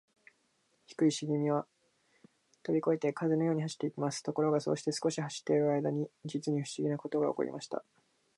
低いしげみはとびこえて、風のように走っていきます。ところが、そうして少し走っているあいだに、じつにふしぎなことがおこりました。